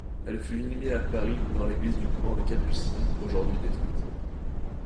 Elle fut inhumée à Paris dans l'église du couvent des Capucines, aujourd'hui détruite.